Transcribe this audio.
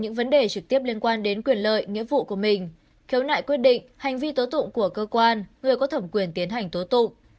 nghiệp vụ liên quan đến vụ án có nghĩa vụ có mặt theo giấy triệu tập của người có thẩm quyền tiến hành tố tụ